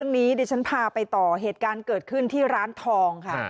นี้ดิฉันพาไปต่อเหตุการณ์เกิดขึ้นที่ร้านทองค่ะ